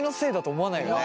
思わないね。